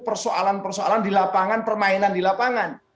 persoalan persoalan di lapangan permainan di lapangan